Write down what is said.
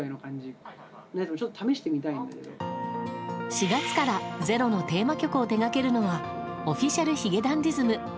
４月から「ｚｅｒｏ」のテーマ曲を手掛けるのはＯｆｆｉｃｉａｌ髭男ｄｉｓｍ。